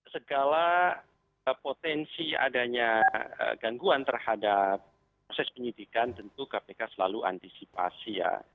segala potensi adanya gangguan terhadap proses penyidikan tentu kpk selalu antisipasi ya